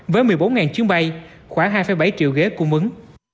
với một mươi bốn chuyến bay khoảng hai bảy triệu ghế cung ứng